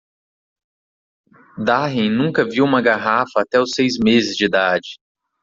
Darren nunca viu uma garrafa até os seis meses de idade.